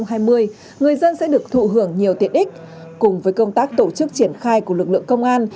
người dân sẽ được thụ hưởng nhiều tiện ích cùng với công tác tổ chức triển khai của lực lượng công an